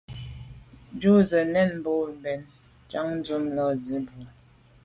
Njù be sène bo bèn mbèn njam ntùm la’ nzi bwe.